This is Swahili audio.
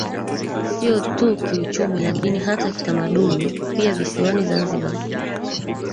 Sio tu kiuchumi lakini hata kitamaduni pia visiwani Zanzibar